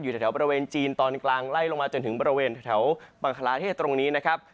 แถวบริเวณจีนตอนกลางไล่ลงมาจนถึงบริเวณแถวบังคลาเทศตรงนี้นะครับ